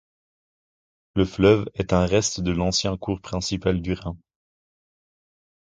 Le fleuve est un reste de l'ancien cours principal du Rhin.